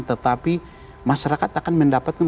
tetapi masyarakat akan mendapatkan